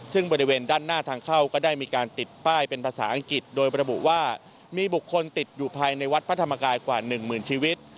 ซึ่งบริเวณด้านหน้าทางเข้าก็ได้มีการติดป้ายเป็นภาษาอังกฤษโดยประบุว่ามีบุคคลติดอยู่ภายในวัดพระธรรมกายกว่าหนึ่งหมื่นชีวิต